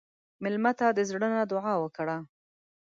مېلمه ته د زړه نه دعا وکړه.